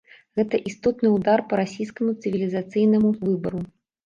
Гэта істотны ўдар па расійскаму цывілізацыйнаму выбару.